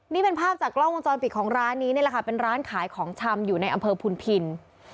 นี่เป็นภาพจากกล้องวงจรปิดของร้านนี้นี่แหละค่ะเป็นร้านขายของชำอยู่ในอำเภอพุนพิน